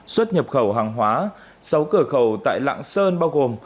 xuất nhập khẩu hàng hóa sáu cửa khẩu tại lạng sơn bao gồm